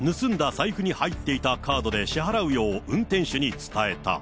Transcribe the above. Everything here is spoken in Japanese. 財布に入っていたカードで支払うよう運転手に伝えた。